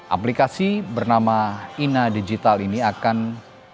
aplikasi bernama ina digital ini akan